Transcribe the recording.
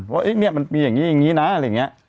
ว่าเนี่ยมันมีอย่างนี้อย่างนี้นะอะไรอย่างนี้